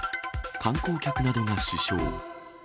観光客などが死傷。